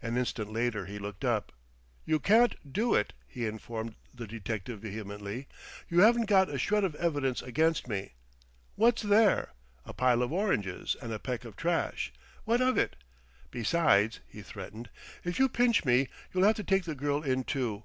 An instant later he looked up. "You can't do it," he informed the detective vehemently; "you haven't got a shred of evidence against me! What's there? A pile of oranges and a peck of trash! What of it?... Besides," he threatened, "if you pinch me, you'll have to take the girl in, too.